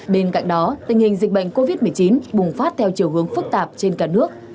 bên cạnh đó tình hình dịch bệnh covid một mươi chín bùng phát theo chiều hướng phức tạp trên cả nước